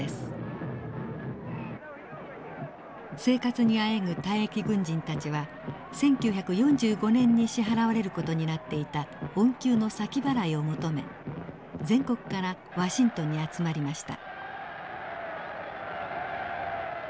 生活にあえぐ退役軍人たちは１９４５年に支払われる事になっていた恩給の先払いを求め全国からワシントンに集まりました。